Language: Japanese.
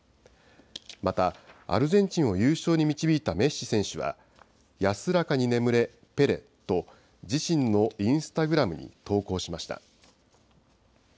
また、アルゼンチンを優勝に導いたメッシ選手は、安らかに眠れ、ペレと、自身のインスタグラムに投稿しました。